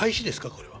これは？